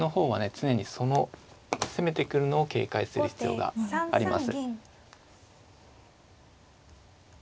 常にその攻めてくるのを警戒する必要があります。